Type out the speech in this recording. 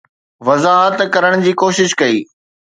وضاحت ڪرڻ جي ڪوشش ڪئي